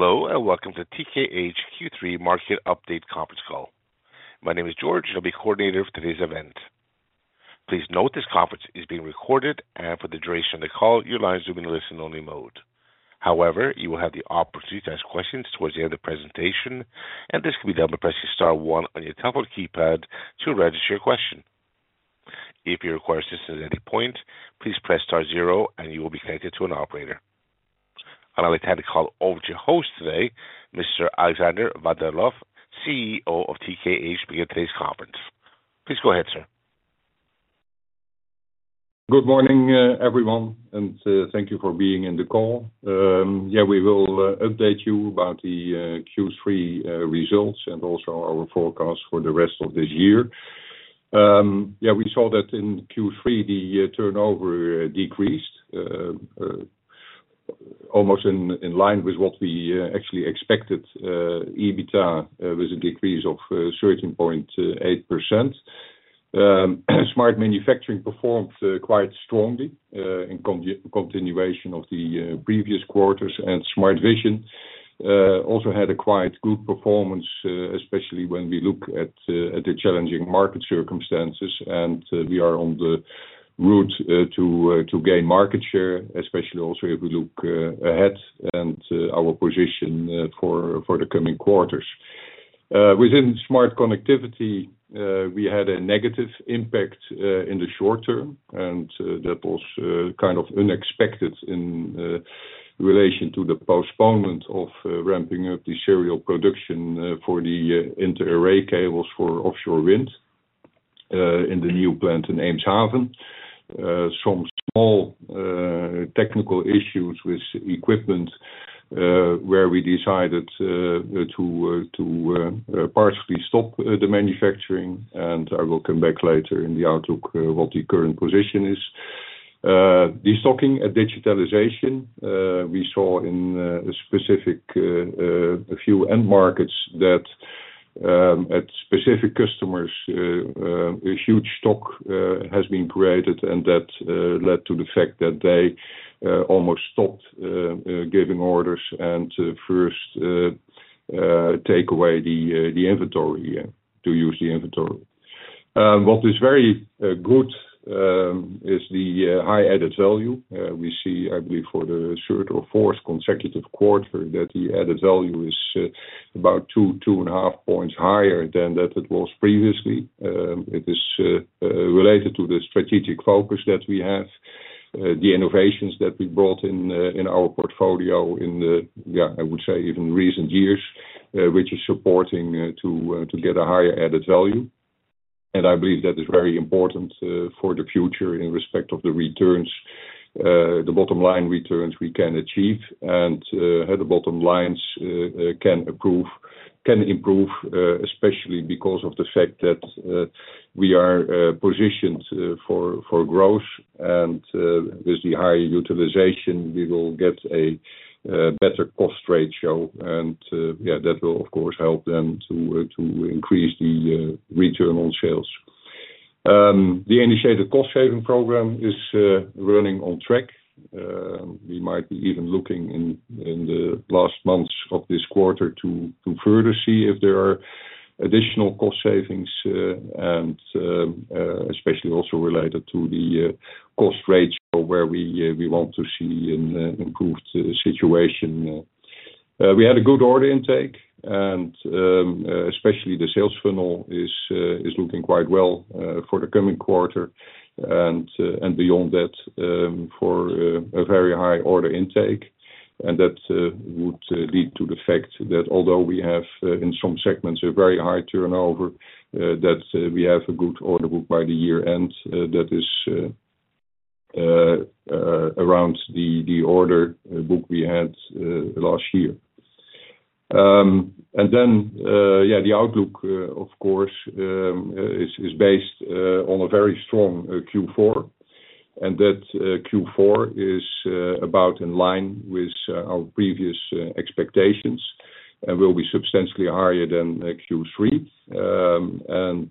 Hello, and welcome to the TKH Q3 Market Update Conference Call. My name is George, and I'll be the coordinator for today's event. Please note this conference is being recorded, and for the duration of the call, your line is going to be in listen-only mode. However, you will have the opportunity to ask questions towards the end of the presentation, and this can be done by pressing star one on your telephone keypad to register your question. If you require assistance at any point, please press star zero, and you will be connected to an operator. I'd like to hand the call over to your host today, Mr. Alexander van der Lof, CEO of TKH, to begin today's conference. Please go ahead, sir. Good morning, everyone, and thank you for being in the call. Yeah, we will update you about the Q3 results and also our forecast for the rest of this year. Yeah, we saw that in Q3, the turnover decreased, almost in line with what we actually expected. EBITDA was a decrease of 13.8%. Smart Manufacturing performed quite strongly in continuation of the previous quarters, and Smart Vision also had a quite good performance, especially when we look at the challenging market circumstances, and we are on the route to gain market share, especially also if we look ahead and our position for the coming quarters. Within Smart Connectivity, we had a negative impact in the short term, and that was kind of unexpected in relation to the postponement of ramping up the serial production for the inter-array cables for offshore wind in the new plant in Eemshaven. Some small technical issues with equipment where we decided to partially stop the manufacturing, and I will come back later in the outlook what the current position is. Stocking and digitalization, we saw in specific few end markets that at specific customers, a huge stock has been created, and that led to the fact that they almost stopped giving orders and first take away the inventory to use the inventory. What is very good is the high added value. We see, I believe, for the third or fourth consecutive quarter that the added value is about two, two and a half points higher than that it was previously. It is related to the strategic focus that we have, the innovations that we brought in our portfolio in the, yeah, I would say even recent years, which is supporting to get a higher added value. I believe that is very important for the future in respect of the returns, the bottom line returns we can achieve, and the bottom lines can improve, especially because of the fact that we are positioned for growth. With the higher utilization, we will get a better cost ratio, and yeah, that will, of course, help them to increase the return on sales. The initiated cost saving program is running on track. We might be even looking in the last months of this quarter to further see if there are additional cost savings, and especially also related to the cost ratio where we want to see an improved situation. We had a good order intake, and especially the sales funnel is looking quite well for the coming quarter. Beyond that, for a very high order intake, and that would lead to the fact that although we have in some segments a very high turnover, that we have a good order book by the year end that is around the order book we had last year. Then, yeah, the outlook, of course, is based on a very strong Q4, and that Q4 is about in line with our previous expectations and will be substantially higher than Q3.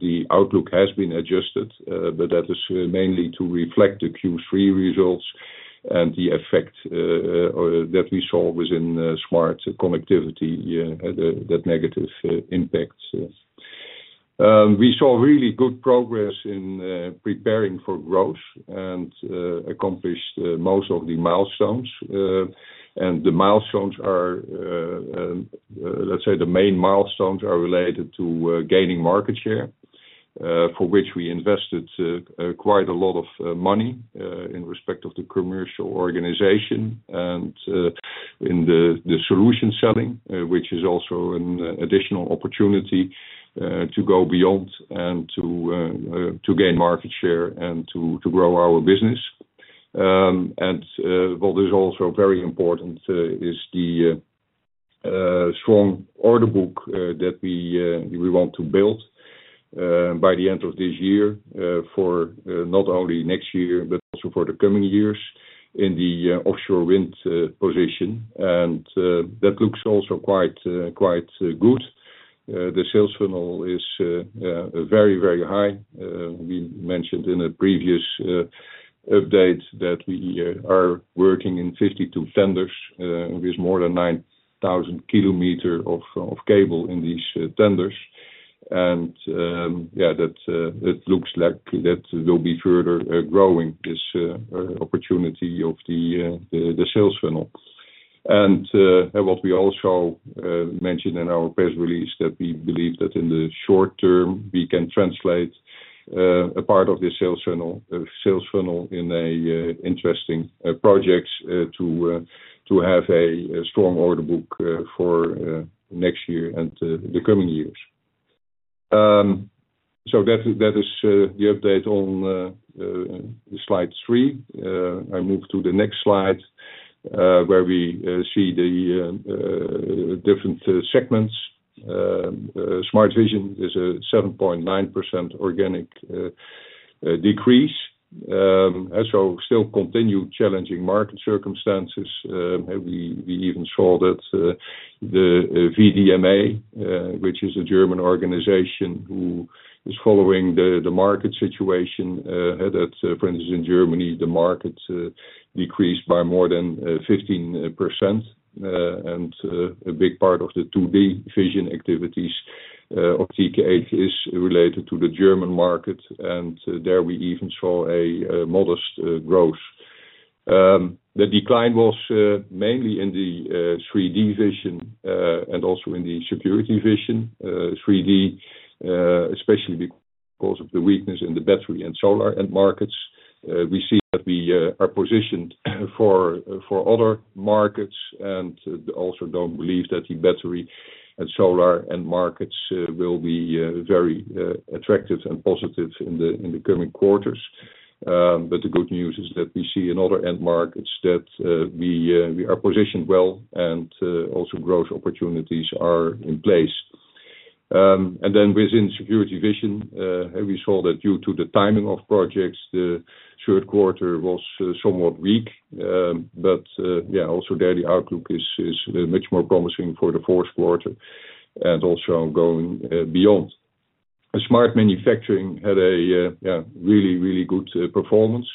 The outlook has been adjusted, but that is mainly to reflect the Q3 results and the effect that we saw within Smart Connectivity, that negative impact. We saw really good progress in preparing for growth and accomplished most of the milestones. And the milestones are, let's say, the main milestones are related to gaining market share, for which we invested quite a lot of money in respect of the commercial organization and in the solution selling, which is also an additional opportunity to go beyond and to gain market share and to grow our business. And what is also very important is the strong order book that we want to build by the end of this year for not only next year, but also for the coming years in the offshore wind position. And that looks also quite good. The sales funnel is very, very high. We mentioned in a previous update that we are working in 52 tenders with more than 9,000 kilometers of cable in these tenders. And yeah, it looks like that will be further growing this opportunity of the sales funnel. What we also mentioned in our press release is that we believe that in the short term, we can translate a part of this sales funnel in an interesting project to have a strong order book for next year and the coming years. That is the update on slide three. I move to the next slide where we see the different segments. Smart Vision is a 7.9% organic decrease. Still continue challenging market circumstances. We even saw that the VDMA, which is a German organization who is following the market situation, that for instance, in Germany, the market decreased by more than 15%. And a big part of the 2D vision activities of TKH is related to the German market, and there we even saw a modest growth. The decline was mainly in the 3D vision and also in the security vision. 3D, especially because of the weakness in the battery and solar end markets. We see that we are positioned for other markets and also don't believe that the battery and solar end markets will be very attractive and positive in the coming quarters. But the good news is that we see in other end markets that we are positioned well and also growth opportunities are in place. And then within Smart Vision, we saw that due to the timing of projects, the third quarter was somewhat weak. But yeah, also there the outlook is much more promising for the fourth quarter and also going beyond. Smart Manufacturing had a really, really good performance.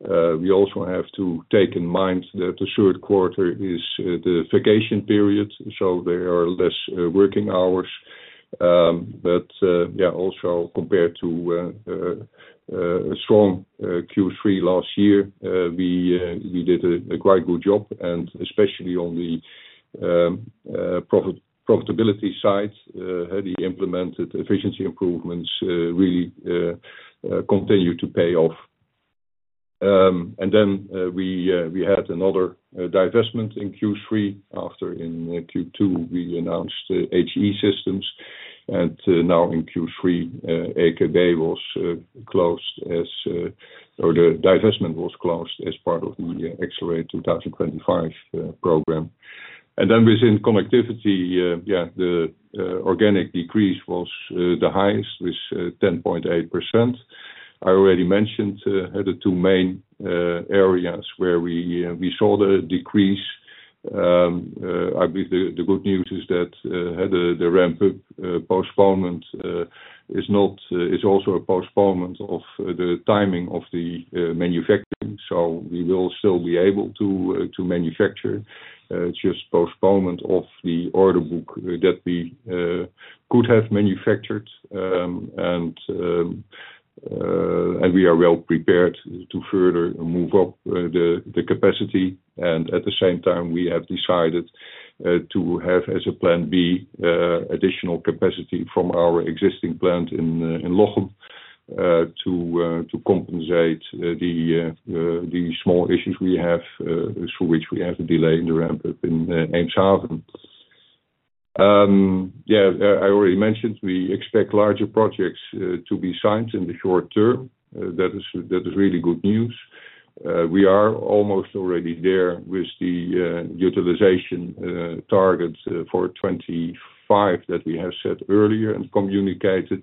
We also have to bear in mind that the third quarter is the vacation period, so there are less working hours. But yeah, also compared to a strong Q3 last year, we did a quite good job, and especially on the profitability side, the implemented efficiency improvements really continue to pay off. We had another divestment in Q3. After in Q2, we announced HE System Electronic, and now in Q3, EKB was closed, or the divestment was closed, as part of the Accelerate 2025 program. Within connectivity, yeah, the organic decrease was the highest with 10.8%. I already mentioned the two main areas where we saw the decrease. I believe the good news is that the ramp-up postponement is also a postponement of the timing of the manufacturing. We will still be able to manufacture. Just postponement of the order book that we could have manufactured. We are well prepared to further move up the capacity. At the same time, we have decided to have as a plan B additional capacity from our existing plant in Lochem to compensate the small issues we have for which we have a delay in the ramp-up in Eemshaven. Yeah, I already mentioned we expect larger projects to be signed in the short term. That is really good news. We are almost already there with the utilization target for 2025 that we have said earlier and communicated.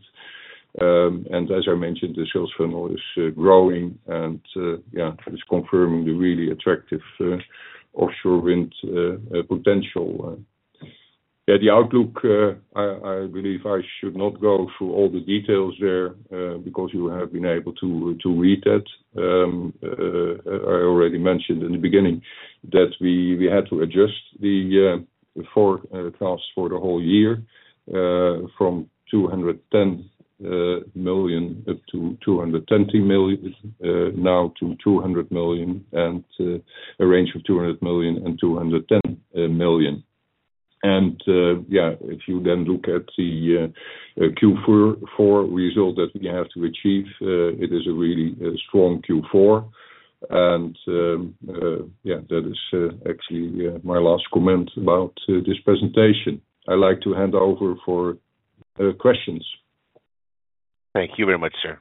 As I mentioned, the sales funnel is growing and yeah, is confirming the really attractive offshore wind potential. Yeah, the outlook, I believe I should not go through all the details there because you have been able to read that. I already mentioned in the beginning that we had to adjust the forecast for the whole year from 210 million up to 220 million now to 200 million and a range of 200 million and 210 million. And yeah, if you then look at the Q4 result that we have to achieve, it is a really strong Q4. And yeah, that is actually my last comment about this presentation. I'd like to hand over for questions. Thank you very much, sir.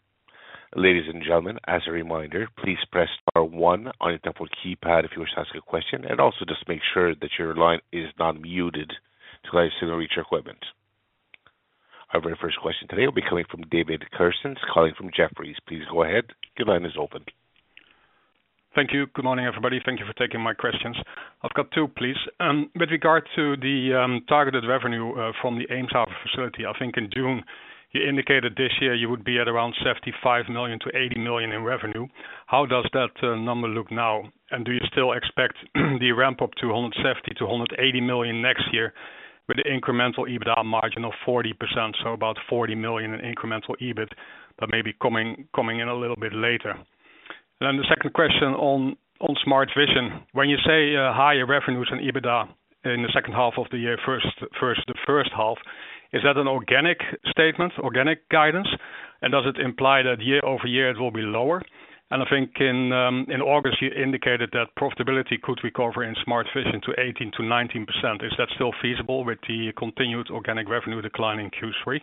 Ladies and gentlemen, as a reminder, please press Star 1 on your telephone keypad if you wish to ask a question, and also just make sure that your line is not muted to allow you to record your question. Our very first question today will be coming from David Kerstens calling from Jefferies. Please go ahead. Your line is open. Thank you. Good morning, everybody. Thank you for taking my questions. I've got two, please. With regard to the targeted revenue from the Eemshaven facility, I think in June, you indicated this year you would be at around 75 million to 80 million in revenue. How does that number look now? And do you still expect the ramp-up to 170 million to 180 million next year with the incremental EBITDA margin of 40%, so about 40 million in incremental EBIT that may be coming in a little bit later? And then the second question on Smart Vision. When you say higher revenues and EBITDA in the second half of the year, the first half, is that an organic statement, organic guidance? And does it imply that year-over-year it will be lower? And I think in August, you indicated that profitability could recover in Smart Vision to 18% to 19%. Is that still feasible with the continued organic revenue decline in Q3?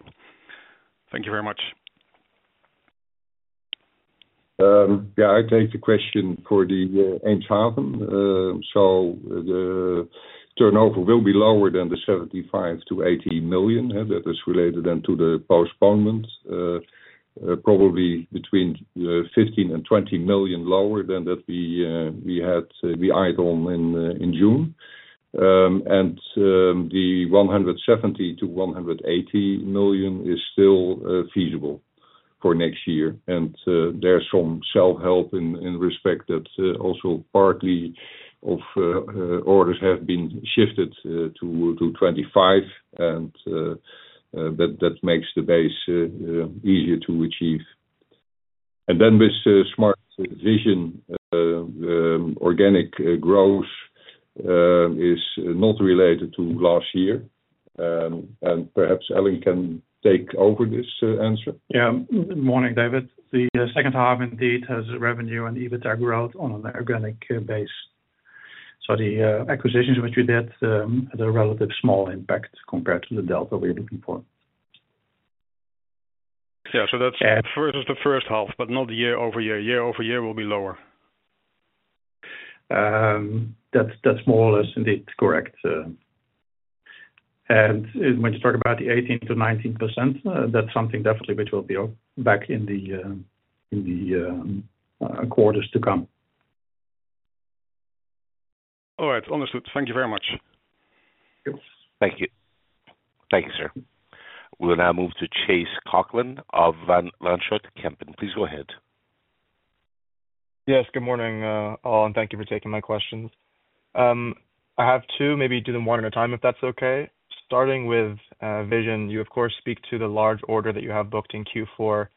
Thank you very much. Yeah, I take the question for the Eemshaven. So the turnover will be lower than the 75 to 80 million. That is related then to the postponement, probably between 15 million and 20 million lower than that we had our eye on in June. And the 170 to 180 million is still feasible for next year. And there's some self-help in respect that also partly of orders have been shifted to 2025, and that makes the base easier to achieve. And then with Smart Vision, organic growth is not related to last year. And perhaps Elling can take over this answer. Yeah. Good morning, David. The second half indeed has revenue and EBITDA growth on an organic basis. So the acquisitions which we did had a relatively small impact compared to the delta we're looking for. Yeah, so that's versus the first half, but not year-over-year. Year-over-year will be lower. That's more or less indeed correct. And when you talk about the 18% to 19%, that's something definitely which will be back in the quarters to come. All right. Understood. Thank you very much. Thank you. Thank you, sir. We'll now move to Chase Coughlan of Van Lanschot Kempen. Please go ahead. Yes, good morning, all, and thank you for taking my questions. I have two, maybe do them one at a time if that's okay. Starting with Vision, you, of course, speak to the large order that you have booked in Q4,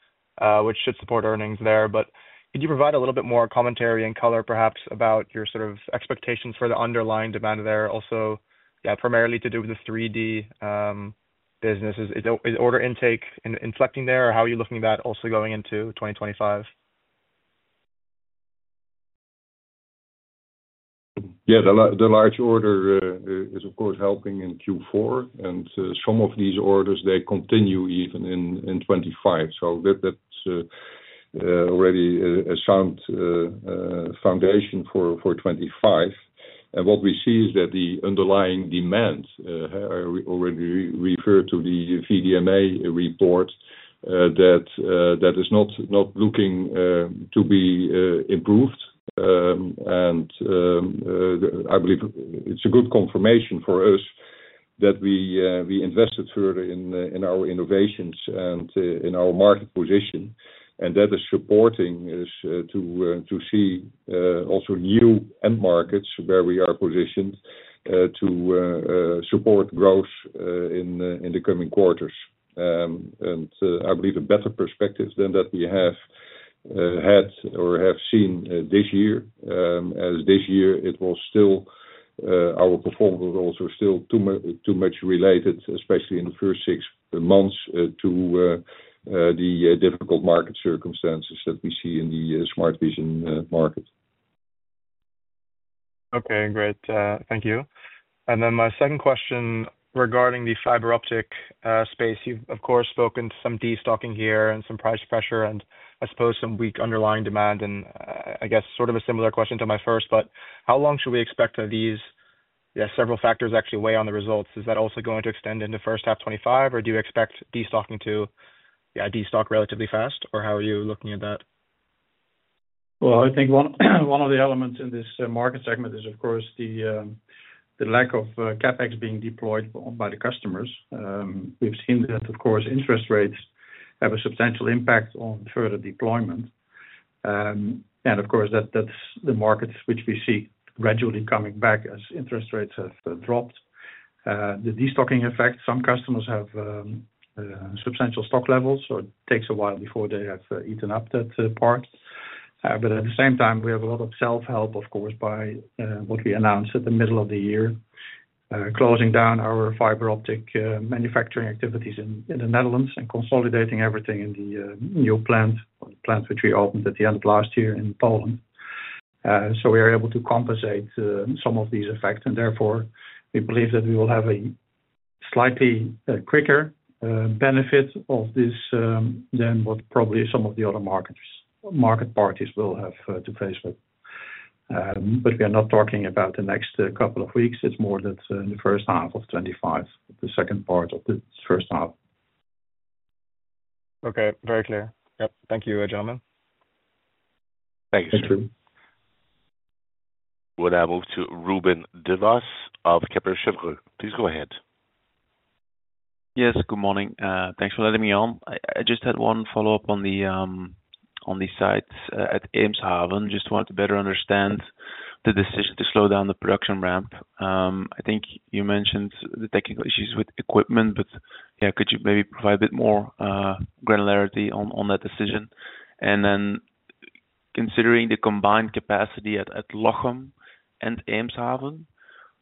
which should support earnings there. But could you provide a little bit more commentary and color, perhaps, about your sort of expectations for the underlying demand there? Also, yeah, primarily to do with the 3D business. Is order intake inflecting there, or how are you looking at that also going into 2025? Yeah, the large order is, of course, helping in Q4. And some of these orders, they continue even in 2025. So that's already a sound foundation for 2025. And what we see is that the underlying demand, I already referred to the VDMA report, that is not looking to be improved. And I believe it's a good confirmation for us that we invested further in our innovations and in our market position. And that is supporting us to see also new end markets where we are positioned to support growth in the coming quarters. And I believe a better perspective than that we have had or have seen this year, as this year it was still our performance was also still too much related, especially in the first six months, to the difficult market circumstances that we see in the Smart Vision market. Okay, great. Thank you. And then my second question regarding the fiber optic space. You've, of course, spoken to some de-stocking here and some price pressure, and I suppose some weak underlying demand. And I guess sort of a similar question to my first, but how long should we expect these several factors actually weigh on the results? Is that also going to extend into first half 2025, or do you expect de-stocking to de-stock relatively fast, or how are you looking at that? Well, I think one of the elements in this market segment is, of course, the lack of CapEx being deployed by the customers. We've seen that, of course, interest rates have a substantial impact on further deployment. And of course, that's the markets which we see gradually coming back as interest rates have dropped. The de-stocking effect, some customers have substantial stock levels, so it takes a while before they have eaten up that part. But at the same time, we have a lot of self-help, of course, by what we announced at the middle of the year, closing down our fiber optic manufacturing activities in the Netherlands and consolidating everything in the new plant which we opened at the end of last year in Poland. So we are able to compensate some of these effects. And therefore, we believe that we will have a slightly quicker benefit of this than what probably some of the other market parties will have to face with. But we are not talking about the next couple of weeks. It's more that in the first half of 2025, the second part of the first half. Okay, very clear. Yep. Thank you, gentlemen. Thank you. Thank you. We'll now move to Ruben Devos of Kepler Cheuvreux. Please go ahead. Yes, good morning. Thanks for letting me on. I just had one follow-up on the site at Eemshaven. Just wanted to better understand the decision to slow down the production ramp. I think you mentioned the technical issues with equipment, but yeah, could you maybe provide a bit more granularity on that decision? And then considering the combined capacity at Lochem and Eemshaven,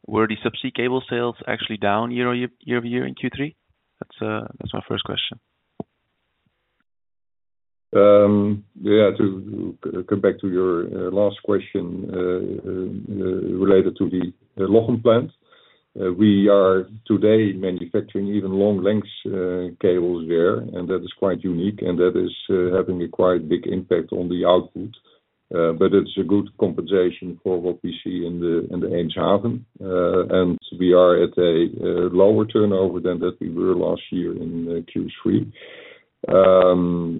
were the subsea cable sales actually down year-over-year in Q3? That's my first question. Yeah, to come back to your last question related to the Lochem plant, we are today manufacturing even long lengths cables there, and that is quite unique, and that is having a quite big impact on the output. But it's a good compensation for what we see in the Eemshaven. And we are at a lower turnover than that we were last year in Q3.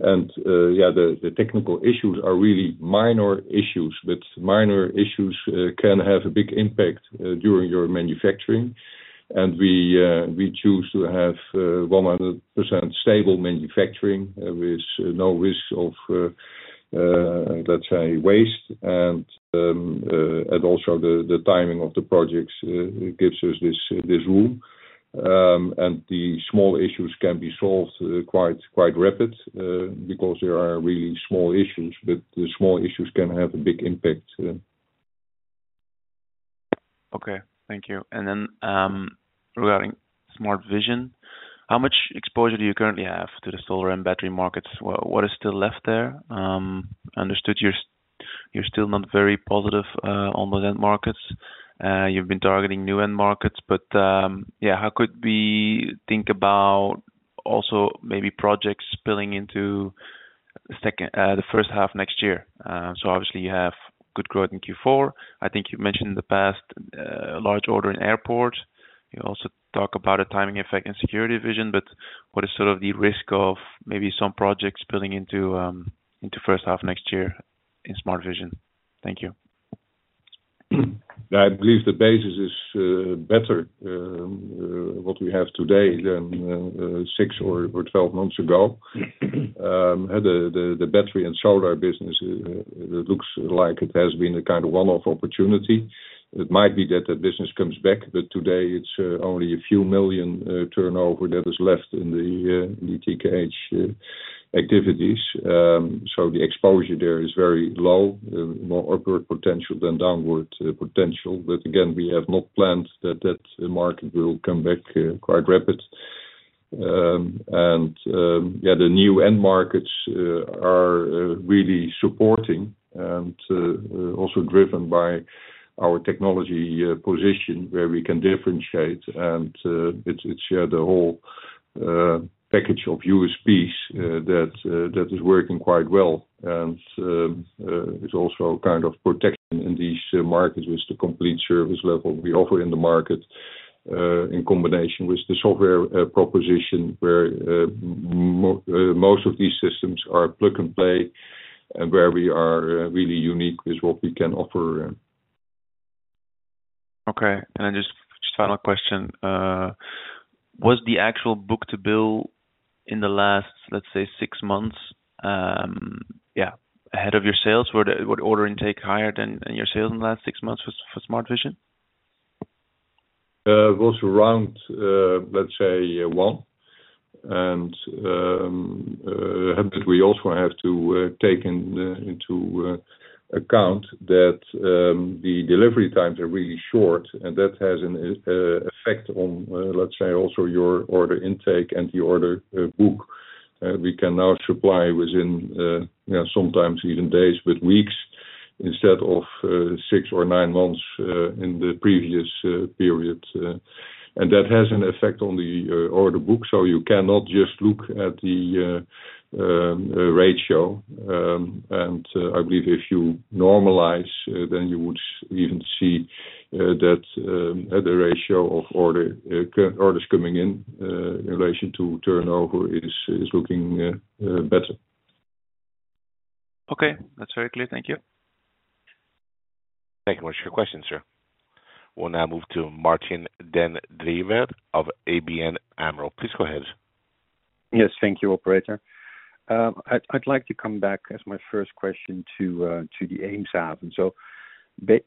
And yeah, the technical issues are really minor issues, but minor issues can have a big impact during your manufacturing. And we choose to have 100% stable manufacturing with no risk of, let's say, waste. And also the timing of the projects gives us this room. And the small issues can be solved quite rapid because there are really small issues, but the small issues can have a big impact. Okay, thank you, and then regarding Smart Vision, how much exposure do you currently have to the solar and battery markets? What is still left there? Understood you're still not very positive on those end markets. You've been targeting new end markets, but yeah, how could we think about also maybe projects spilling into the first half next year? So obviously, you have good growth in Q4. I think you've mentioned in the past large order in airports. You also talk about a timing effect in security vision, but what is sort of the risk of maybe some projects spilling into first half next year in Smart Vision? Thank you. I believe the basis is better what we have today than six or 12 months ago. The battery and solar business looks like it has been a kind of one-off opportunity. It might be that that business comes back, but today it's only a few million turnover that is left in the TKH activities. So the exposure there is very low, more upward potential than downward potential. But again, we have not planned that that market will come back quite rapid. And yeah, the new end markets are really supporting and also driven by our technology position where we can differentiate. And it's the whole package of USPs that is working quite well. It's also kind of protection in these markets with the complete service level we offer in the market in combination with the software proposition where most of these systems are plug and play, and where we are really unique with what we can offer. Okay. And then just final question. Was the actual book-to-bill in the last, let's say, six months, yeah, ahead of your sales? Were the order intake higher than your sales in the last six months for Smart Vision? It was around, let's say, one. And we also have to take into account that the delivery times are really short, and that has an effect on, let's say, also your order intake and the order book. We can now supply within, yeah, sometimes even days, but weeks instead of six or nine months in the previous period. And that has an effect on the order book. So you cannot just look at the ratio. And I believe if you normalize, then you would even see that the ratio of orders coming in in relation to turnover is looking better. Okay, that's very clear. Thank you. Thank you very much for your question, sir. We'll now move to Martin den Drijver of ABN AMRO. Please go ahead. Yes, thank you, operator. I'd like to come back as my first question to the Eemshaven. So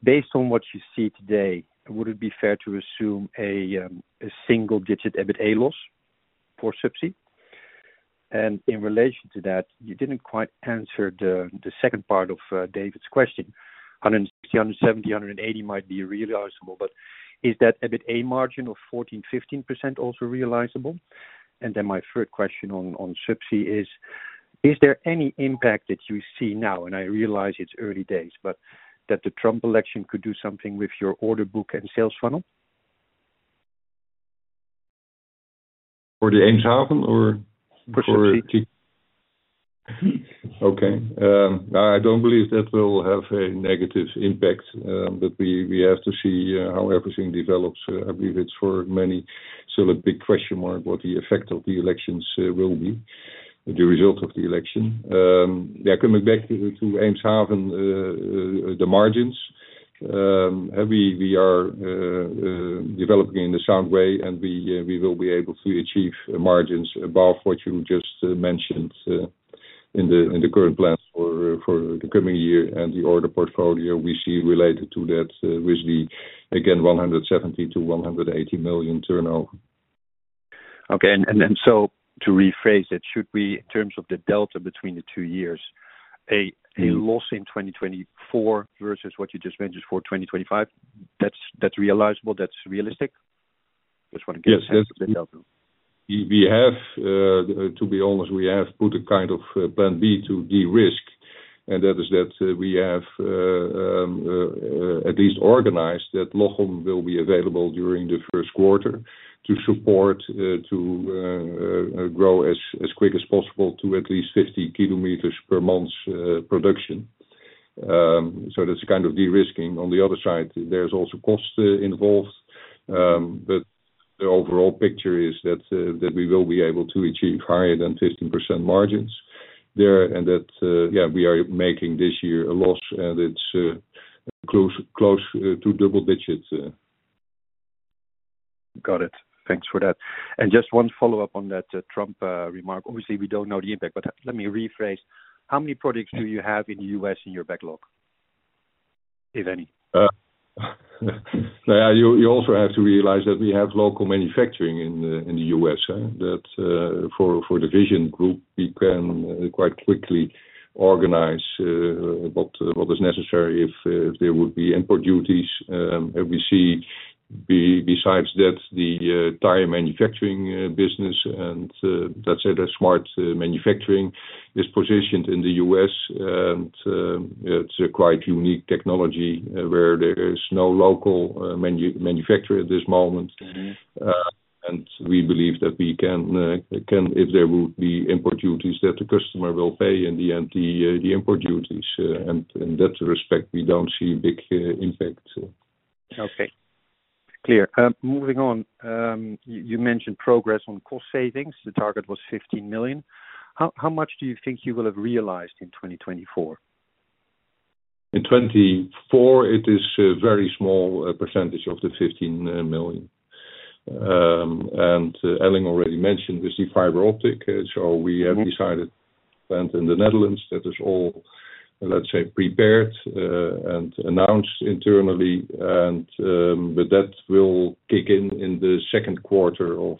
based on what you see today, would it be fair to assume a single-digit EBITDA loss for subsea? And in relation to that, you didn't quite answer the second part of David's question. 160, 170, 180 might be realizable, but is that EBITDA margin of 14% to 15% also realizable? And then my third question on subsea is, is there any impact that you see now? And I realize it's early days, but that the Trump election could do something with your order book and sales funnel? For the Eemshaven or for subsea? For subsea. Okay. I don't believe that will have a negative impact, but we have to see how everything develops. I believe it's for many still a big question mark what the effect of the elections will be, the result of the election. Yeah, coming back to Eemshaven, the margins, we are developing in the sound way, and we will be able to achieve margins above what you just mentioned in the current plans for the coming year and the order portfolio we see related to that with the, again, 170 million to 180 million turnover. Okay, and then so to rephrase it, should we, in terms of the delta between the two years, a loss in 2024 versus what you just mentioned for 2025, that's realizable? That's realistic? Just want to get a sense of the delta. We have, to be honest, we have put a kind of plan B to de-risk, and that is that we have at least organized that Lochem will be available during the first quarter to support, to grow as quick as possible to at least 50 km per month's production. So that's kind of de-risking. On the other side, there's also cost involved, but the overall picture is that we will be able to achieve higher than 15% margins there, and that, yeah, we are making this year a loss, and it's close to double-digit. Got it. Thanks for that and just one follow-up on that Trump remark. Obviously, we don't know the impact, but let me rephrase. How many products do you have in the U.S. in your backlog, if any? You also have to realize that we have local manufacturing in the U.S. For the vision group, we can quite quickly organize what is necessary if there would be import duties. We see, besides that, the tire manufacturing business, and that's smart manufacturing, is positioned in the U.S., and it's a quite unique technology where there is no local manufacturer at this moment, and we believe that we can, if there would be import duties, that the customer will pay in the end the import duties, and in that respect, we don't see a big impact. Okay. Clear. Moving on, you mentioned progress on cost savings. The target was 15 million. How much do you think you will have realized in 2024? In 2024, it is a very small percentage of the 15 million. And Elling already mentioned with the fiber optic. So we have decided that in the Netherlands, that is all, let's say, prepared and announced internally. And that will kick in in the second quarter of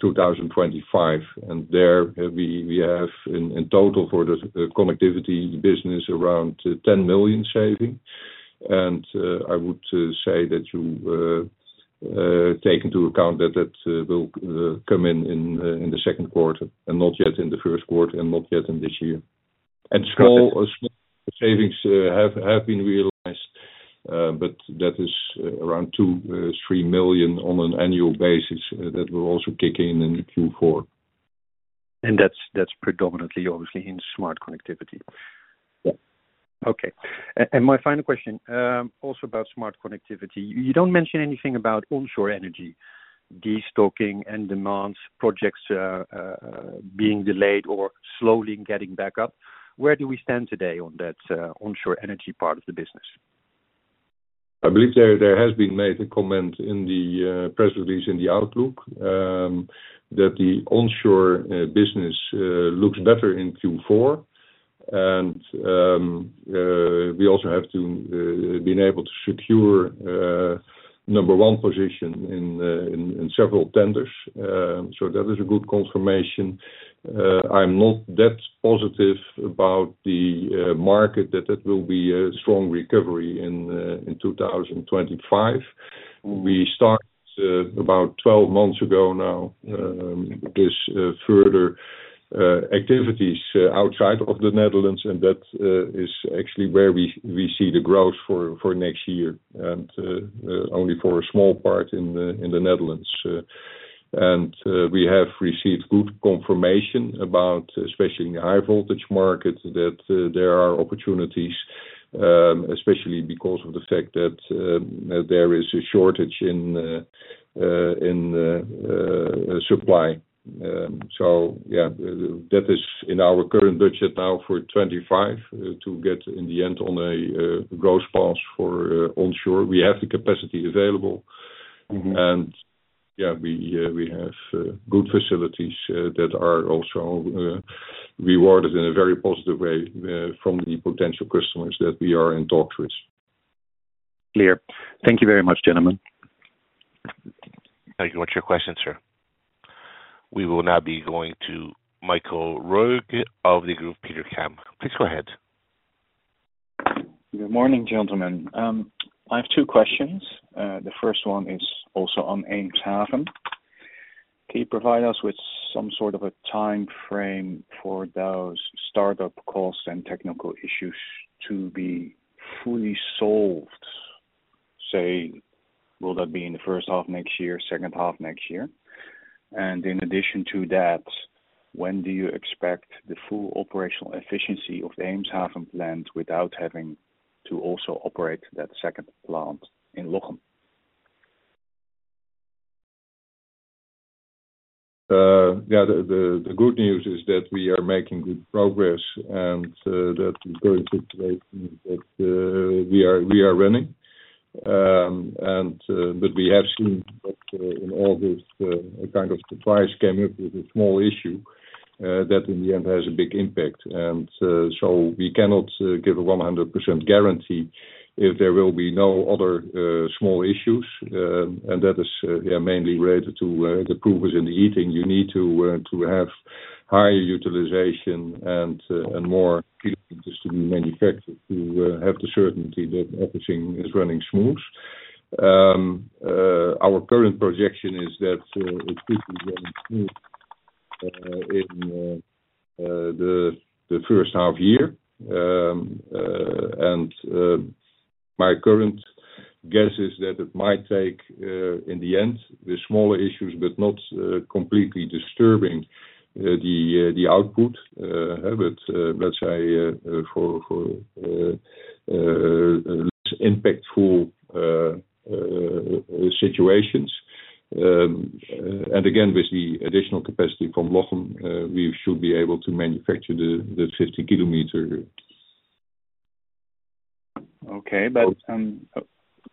2025. And there we have in total for the connectivity business around 10 million saving. And I would say that you take into account that that will come in in the second quarter and not yet in the first quarter and not yet in this year. And small savings have been realized, but that is around 2 to 3 million on an annual basis that will also kick in in Q4. That's predominantly, obviously, in Smart Connectivity. Yeah. Okay. And my final question also about smart connectivity. You don't mention anything about onshore energy, de-stocking and demands, projects being delayed or slowly getting back up. Where do we stand today on that onshore energy part of the business? I believe there has been made a comment in the press release in the Outlook that the onshore business looks better in Q4, and we also have been able to secure number one position in several tenders, so that is a good confirmation. I'm not that positive about the market that there will be a strong recovery in 2025. We started about 12 months ago now with further activities outside of the Netherlands, and that is actually where we see the growth for next year and only for a small part in the Netherlands, and we have received good confirmation about, especially in the high voltage market, that there are opportunities, especially because of the fact that there is a shortage in supply, so yeah, that is in our current budget now for 2025 to get in the end on a growth path for onshore. We have the capacity available. Yeah, we have good facilities that are also regarded in a very positive way by the potential customers that we are in talks with. Clear. Thank you very much, gentlemen. Thank you. What's your question, sir? We will now be going to Michael Roeg of Degroof Petercam. Please go ahead. Good morning, gentlemen. I have two questions. The first one is also on Eemshaven. Can you provide us with some sort of a timeframe for those startup costs and technical issues to be fully solved? Say will that be in the first half next year, second half next year? And in addition to that, when do you expect the full operational efficiency of the Eemshaven plant without having to also operate that second plant in Lochem? Yeah, the good news is that we are making good progress and that the current situation that we are running. But we have seen that in August, a kind of surprise came up with a small issue that in the end has a big impact. And so we cannot give a 100% guarantee if there will be no other small issues. And that is mainly related to the probes in the heating. You need to have higher utilization and more capabilities to be manufactured to have the certainty that everything is running smooth. Our current projection is that it could be running smooth in the first half year. And my current guess is that it might take in the end the smaller issues, but not completely disturbing the output, but let's say for less impactful situations. Again, with the additional capacity from Lochem, we should be able to manufacture the 15 km. Okay. But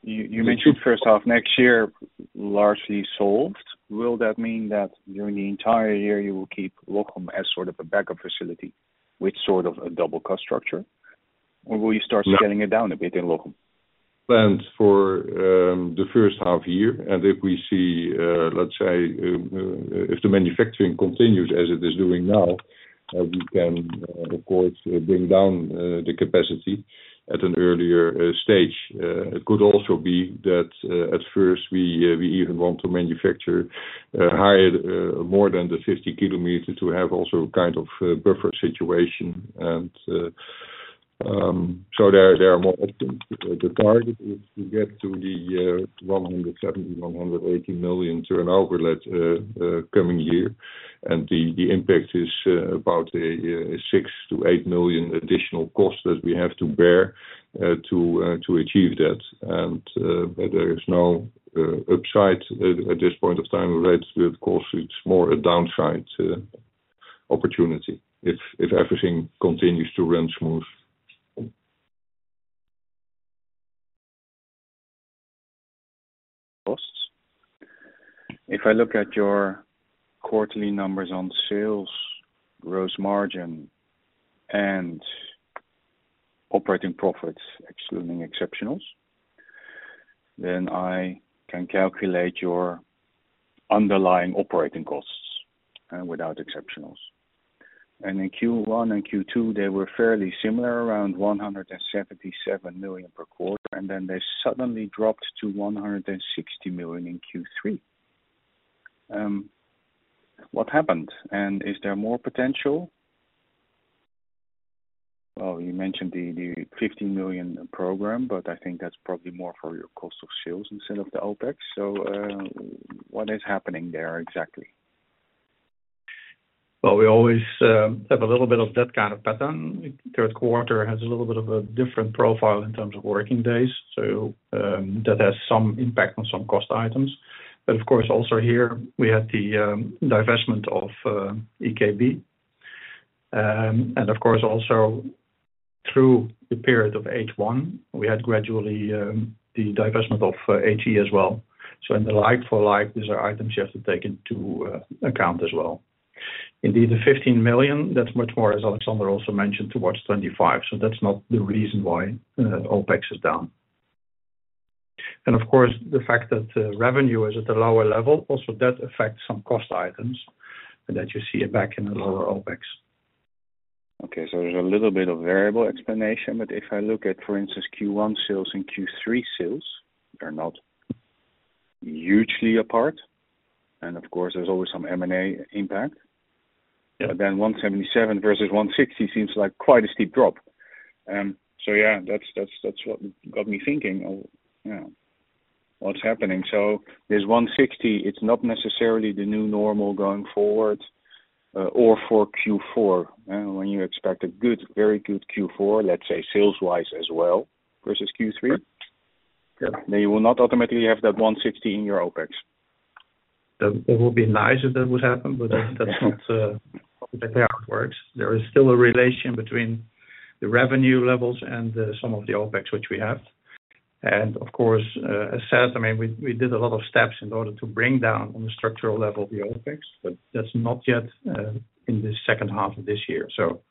you mentioned first half next year largely solved. Will that mean that during the entire year you will keep Lochem as sort of a backup facility with sort of a double-cost structure? Or will you start scaling it down a bit in Lochem? Plans for the first half year. And if we see, let's say, if the manufacturing continues as it is doing now, we can, of course, bring down the capacity at an earlier stage. It could also be that at first we even want to manufacture more than the 15 kilometers to have also a kind of buffer situation. And so there are more options. The target is to get to the 170 to 180 million turnover coming year. And the impact is about a 6 to 8 million additional cost that we have to bear to achieve that. And there is no upside at this point of time related to the cost. It's more a downside opportunity if everything continues to run smooth. If I look at your quarterly numbers on sales, gross margin, and operating profits, excluding exceptionals, then I can calculate your underlying operating costs without exceptionals. And in Q1 and Q2, they were fairly similar, around 177 million per quarter, and then they suddenly dropped to 160 million in Q3. What happened? And is there more potential? Well, you mentioned the 15 million program, but I think that's probably more for your cost of sales instead of the OPEX. So what is happening there exactly? Well, we always have a little bit of that kind of pattern. Third quarter has a little bit of a different profile in terms of working days. So that has some impact on some cost items. But of course, also here, we had the divestment of EKB. Of course, also through the period of H1, we had gradually the divestment of HE as well. So in the like-for-like, these are items you have to take into account as well. Indeed, the 15 million, that's much more, as Alexander also mentioned, towards 25 million. So that's not the reason why OPEX is down. And of course, the fact that revenue is at a lower level, also that affects some cost items that you see back in the lower OPEX. Okay. So there's a little bit of variable explanation, but if I look at, for instance, Q1 sales and Q3 sales, they're not hugely apart. And of course, there's always some M&A impact. But then 177 million versus 160 million seems like quite a steep drop. So yeah, that's what got me thinking of what's happening. So this 160, it's not necessarily the new normal going forward or for Q4. When you expect a good, very good Q4, let's say sales-wise as well versus Q3, then you will not automatically have that 160 in your OPEX. It will be nice if that would happen, but that's not the way it works. There is still a relation between the revenue levels and some of the OPEX which we have. And of course, as said, I mean, we did a lot of steps in order to bring down on the structural level the OPEX, but that's not yet in the second half of this year. So,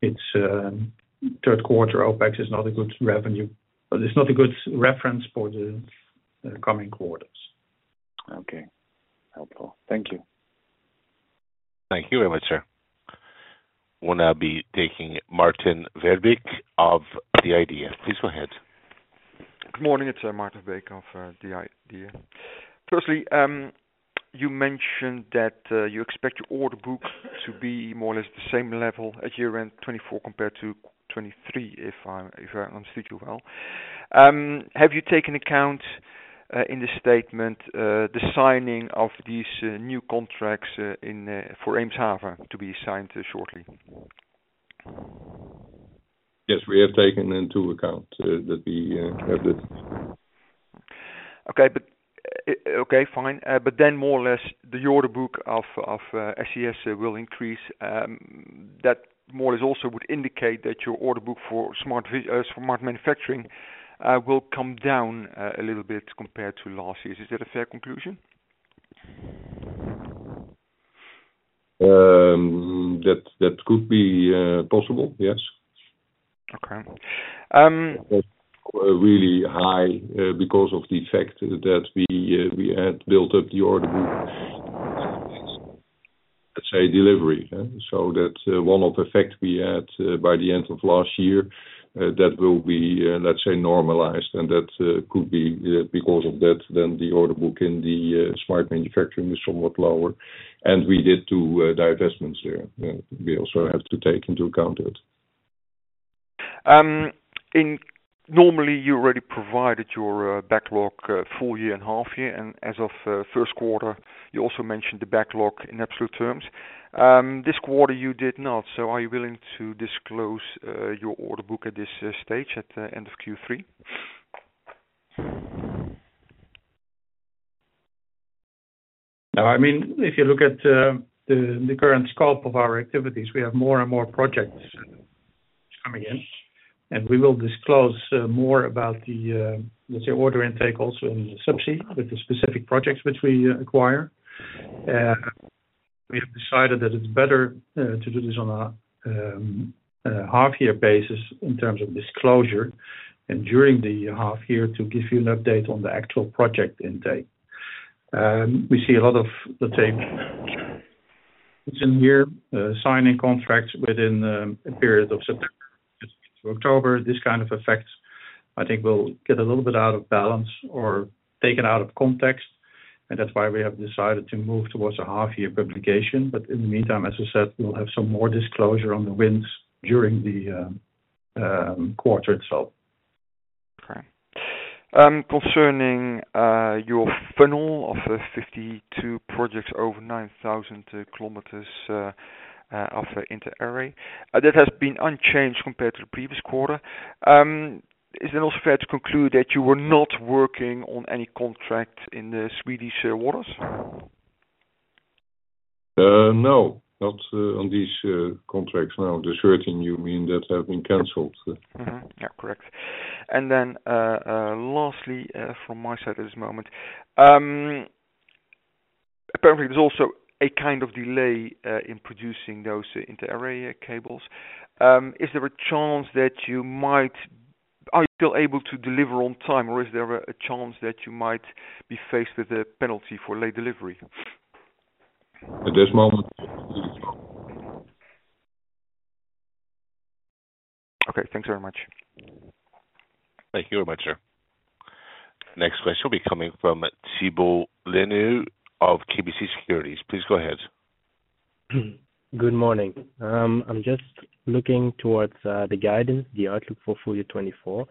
it's third quarter OPEX is not a good reference for revenue, but it's not a good reference for the coming quarters. Okay. Helpful. Thank you. Thank you very much, sir. We'll now be taking Martin Verbeek of The Idea. Please go ahead. Good morning. It's Martin Verbeek of The Idea. Firstly, you mentioned that you expect your order book to be more or less the same level as year-end 2024 compared to 2023, if I understood you well. Have you taken account in the statement the signing of these new contracts for Eemshaven to be signed shortly? Yes, we have taken into account that we have this. Okay. Okay. Fine. But then more or less, the order book of SC will increase. That more or less also would indicate that your order book for Smart Manufacturing will come down a little bit compared to last year. Is that a fair conclusion? That could be possible, yes. Okay. Really high because of the fact that we had built up the order book, let's say delivery. So that one of the facts we had by the end of last year, that will be, let's say, normalized. And that could be because of that, then the order book in the Smart Manufacturing is somewhat lower. And we did do divestments there. We also have to take into account that. Normally, you already provided your backlog full year and half year. And as of first quarter, you also mentioned the backlog in absolute terms. This quarter, you did not. So are you willing to disclose your order book at this stage at the end of Q3? No. I mean, if you look at the current scope of our activities, we have more and more projects coming in. And we will disclose more about the order intake also in the subsea with the specific projects which we acquire. We have decided that it's better to do this on a half-year basis in terms of disclosure and during the half year to give you an update on the actual project intake. We see a lot of, let's say, signed contracts within a period of September to October. This kind of effect, I think, will get a little bit out of balance or taken out of context. And that's why we have decided to move towards a half-year publication. But in the meantime, as I said, we'll have some more disclosure on the wins during the quarter itself. Okay. Concerning your funnel of 52 projects over 9,000 kilometers of inter-array, that has been unchanged compared to the previous quarter. Is it also fair to conclude that you were not working on any contract in the Swedish waters? No. Not on these contracts. Now, the 13, you mean that have been canceled? Yeah. Correct. And then lastly, from my side at this moment, apparently, there's also a kind of delay in producing those inter-array cables. Is there a chance that you might be still able to deliver on time, or is there a chance that you might be faced with a penalty for late delivery? At this moment. Okay. Thanks very much. Thank you very much, sir. Next question will be coming from Thibault Leneeuw of KBC Securities. Please go ahead. Good morning. I'm just looking towards the guidance, the outlook for full year 2024.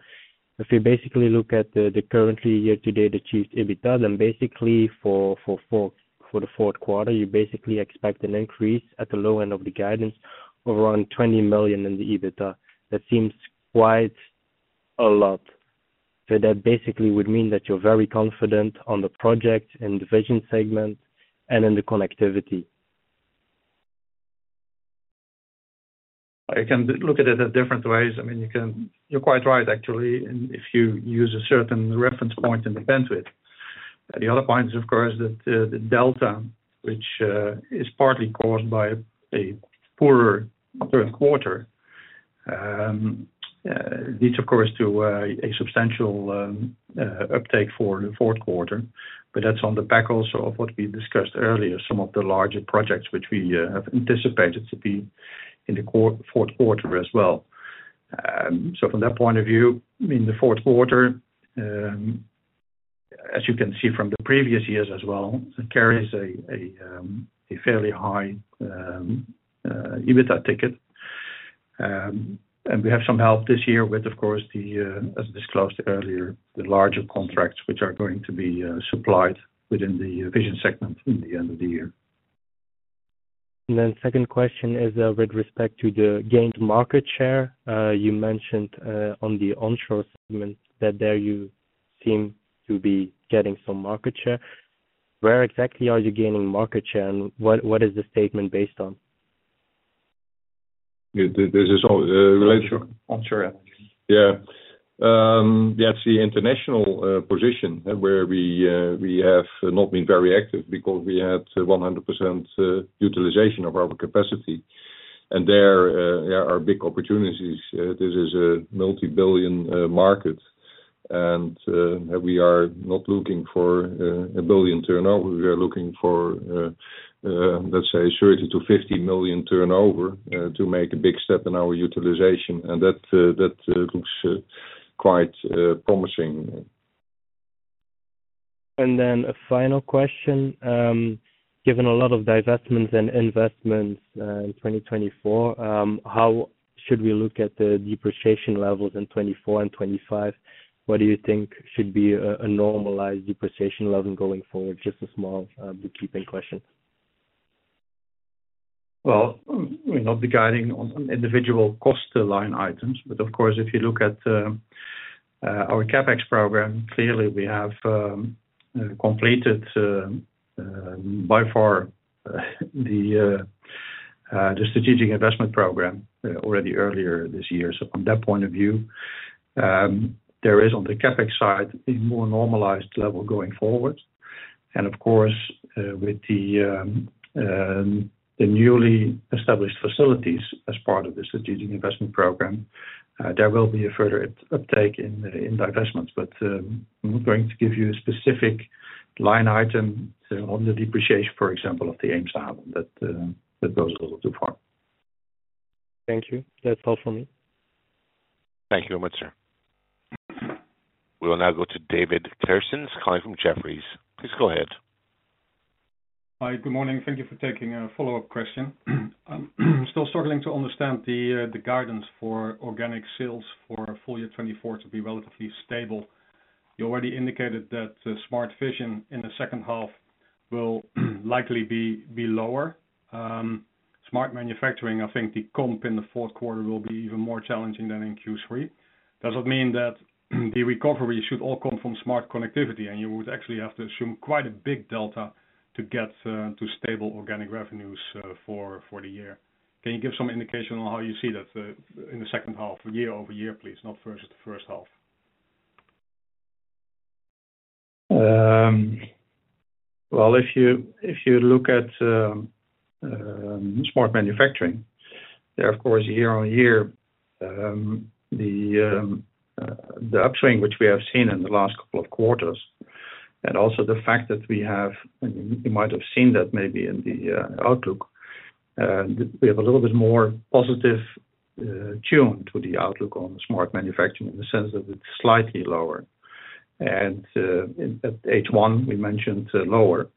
If we look at the current year-to-date achieved EBITDA, then for the fourth quarter, you expect an increase at the low end of the guidance of around 20 million in the EBITDA. That seems quite a lot. So that would mean that you're very confident on the project and division segment and in the connectivity. I can look at it in different ways. I mean, you're quite right, actually, if you use a certain reference point and depend on it. The other point is, of course, that the delta, which is partly caused by a poorer third quarter, leads, of course, to a substantial uptake for the fourth quarter, but that's also on the back of what we discussed earlier, some of the larger projects which we have anticipated to be in the fourth quarter as well. So from that point of view, in the fourth quarter, as you can see from the previous years as well, it carries a fairly high EBITDA ticket, and we have some help this year with, of course, as disclosed earlier, the larger contracts which are going to be supplied within the division segment in the end of the year. And then second question is with respect to the gained market share. You mentioned on the onshore segment that there you seem to be getting some market share. Where exactly are you gaining market share and what is the statement based on? This is all related to onshore energy. Yeah. That's the international position where we have not been very active because we had 100% utilization of our capacity, and there are big opportunities. This is a multi-billion market, and we are not looking for a billion turnover. We are looking for, let's say, 30 to 50 million turnover to make a big step in our utilization, and that looks quite promising. Then a final question. Given a lot of divestments and investments in 2024, how should we look at the depreciation levels in 2024 and 2025? What do you think should be a normalized depreciation level going forward? Just a small bookkeeping question. We're not deciding on individual cost line items. Of course, if you look at our CapEx program, clearly we have completed by far the strategic investment program already earlier this year. From that point of view, there is on the CapEx side a more normalized level going forward. Of course, with the newly established facilities as part of the strategic investment program, there will be a further uptake in depreciation. I'm not going to give you a specific line item on the depreciation, for example, of the Eemshaven. That goes a little too far. Thank you. That's all from me. Thank you very much, sir. We will now go to David Kerstens calling from Jefferies. Please go ahead. Hi. Good morning. Thank you for taking a follow-up question. I'm still struggling to understand the guidance for organic sales for full year 2024 to be relatively stable. You already indicated that Smart Vision in the second half will likely be lower. Smart Manufacturing, I think the comp in the fourth quarter will be even more challenging than in Q3. Does that mean that the recovery should all come from Smart Connectivity? And you would actually have to assume quite a big delta to get to stable organic revenues for the year. Can you give some indication on how you see that in the second half, year-over-year, please? Not first half. If you look at Smart Manufacturing, there, of course, year-on-year, the upswing which we have seen in the last couple of quarters, and also the fact that we have, and you might have seen that maybe in the outlook, we have a little bit more positive tone to the outlook on Smart Manufacturing in the sense that it's slightly lower, and at H1, we mentioned lower.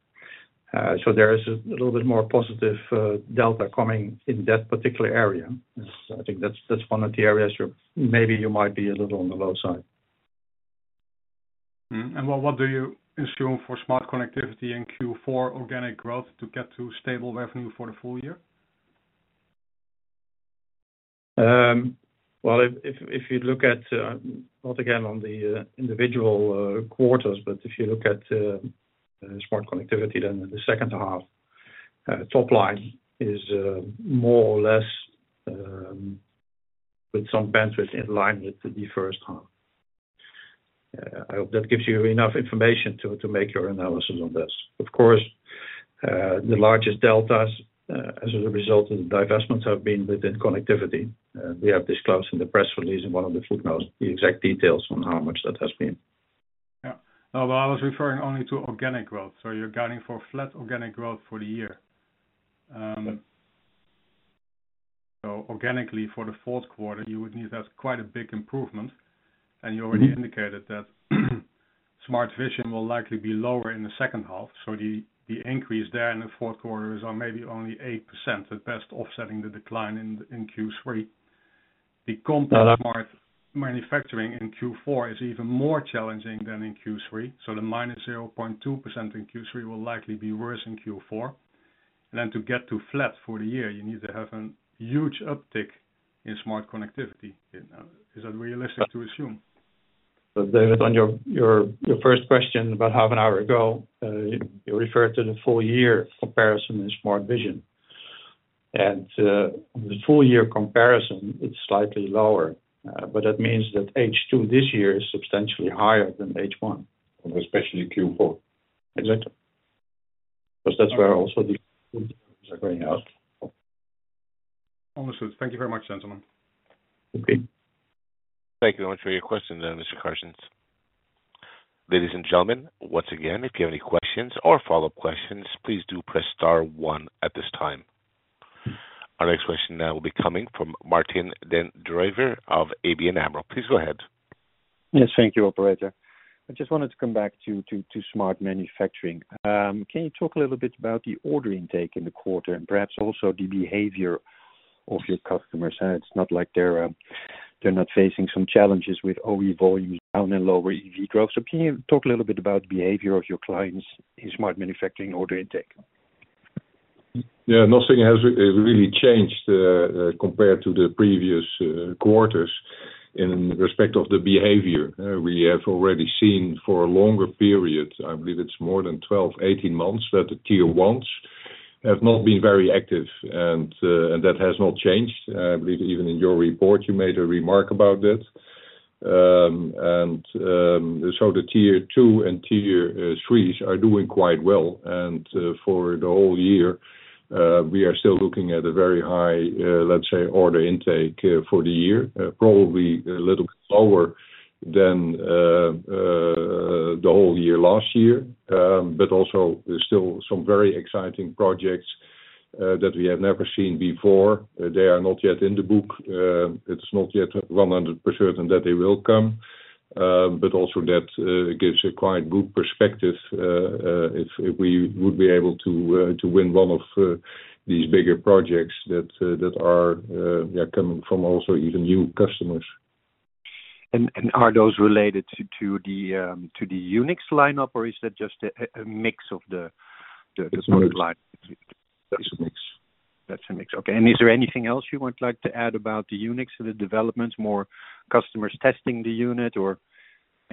So there is a little bit more positive delta coming in that particular area. I think that's one of the areas where maybe you might be a little on the low side. What do you assume for Smart Connectivity in Q4 organic growth to get to stable revenue for the full year? If you look at, not again on the individual quarters, but if you look at Smart Connectivity, then the second half top line is more or less with some bandwidth in line with the first half. I hope that gives you enough information to make your analysis on this. Of course, the largest deltas as a result of the divestments have been within connectivity. We have disclosed in the press release in one of the footnotes the exact details on how much that has been. Yeah. No, but I was referring only to organic growth. So you're guiding for flat organic growth for the year. So organically for the fourth quarter, you would need to have quite a big improvement. And you already indicated that Smart Vision will likely be lower in the second half. So the increase there in the fourth quarter is maybe only 8%, at best offsetting the decline in Q3. The comp Smart Manufacturing in Q4 is even more challenging than in Q3. So the minus 0.2% in Q3 will likely be worse in Q4. And then to get to flat for the year, you need to have a huge uptick in Smart Connectivity. Is that realistic to assume? David, on your first question about half an hour ago, you referred to the full year comparison in Smart Vision. And the full year comparison, it's slightly lower. But that means that H2 this year is substantially higher than H1. Especially Q4. Exactly. Because that's where also the going out. Understood. Thank you very much, gentlemen. Okay. Thank you very much for your question, Mr. Kerstens. Ladies and gentlemen, once again, if you have any questions or follow-up questions, please do press star one at this time. Our next question now will be coming from Martin den Drijver of ABN AMRO. Please go ahead. Yes. Thank you, Operator. I just wanted to come back to smart manufacturing. Can you talk a little bit about the order intake in the quarter and perhaps also the behavior of your customers? It's not like they're not facing some challenges with OE volumes down and lower EV growth. So can you talk a little bit about the behavior of your clients in smart manufacturing order intake? Yeah. Nothing has really changed compared to the previous quarters in respect of the behavior. We have already seen for a longer period, I believe it's more than 12, 18 months that the Tier 1s have not been very active. And that has not changed. I believe even in your report, you made a remark about that. And so the Tier 2s and Tier 3s are doing quite well. And for the whole year, we are still looking at a very high, let's say, order intake for the year, probably a little bit lower than the whole year last year. But also still some very exciting projects that we have never seen before. They are not yet in the book. It's not yet 100% that they will come. But also that gives a quite good perspective if we would be able to win one of these bigger projects that are coming from also even new customers. Are those related to the UNIXX lineup, or is that just a mix of the smart line? That's a mix. That's a mix. Okay. And is there anything else you would like to add about the UNIXX and the developments, more customers testing the unit, or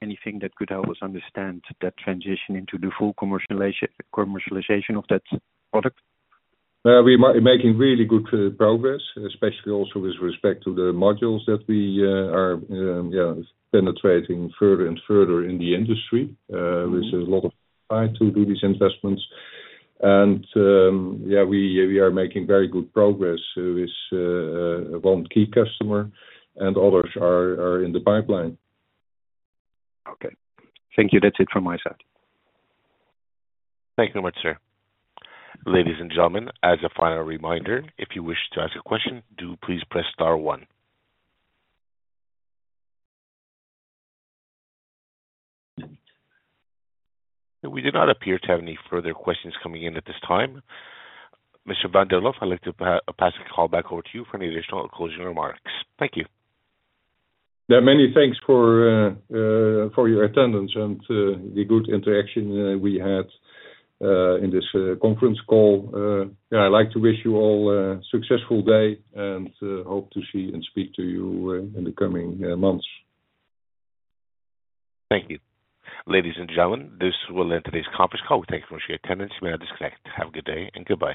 anything that could help us understand that transition into the full commercialization of that product? We are making really good progress, especially also with respect to the modules that we are penetrating further and further in the industry. There's a lot of time to do these investments, and yeah, we are making very good progress with one key customer, and others are in the pipeline. Okay. Thank you. That's it from my side. Thank you very much, sir. Ladies and gentlemen, as a final reminder, if you wish to ask a question, do please press star one. And we do not appear to have any further questions coming in at this time. Mr. Van der Lof, I'd like to pass the call back over to you for any additional closing remarks. Thank you. Yeah. Many thanks for your attendance and the good interaction we had in this conference call. Yeah. I'd like to wish you all a successful day and hope to see and speak to you in the coming months. Thank you. Ladies and gentlemen, this will end today's conference call. We thank you for your attendance. You may now disconnect. Have a good day and goodbye.